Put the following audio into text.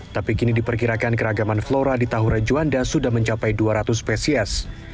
tapi kini diperkirakan keragaman flora di tahura juanda sudah mencapai dua ratus spesies